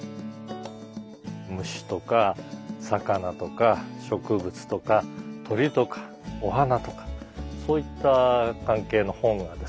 虫とか魚とか植物とか鳥とかお花とかそういった関係の本がですね